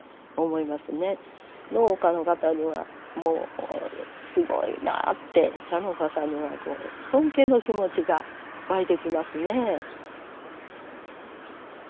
農家の方にはもうすごいなあって茶農家さんにはこう尊敬の気持ちが湧いてきますね。